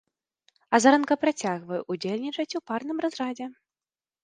Азаранка працягвае ўдзельнічаць у парным разрадзе.